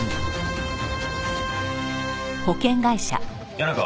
谷中。